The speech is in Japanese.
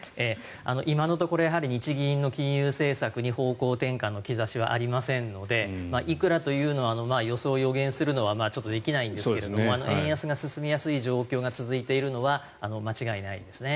今のところ日銀の金融政策に方向転換の兆しはありませんのでいくらというのは予想を予言するのはできないんですが円安が進みやすい状況が続いているのは間違いないですね。